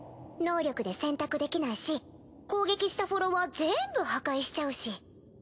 能力で選択できないし攻撃したフォロワー全部破壊しちゃうし。